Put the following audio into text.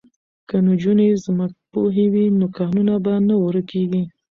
که نجونې ځمکپوهې وي نو کانونه به نه ورکیږي.